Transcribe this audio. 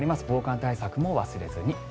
防寒対策も忘れずに。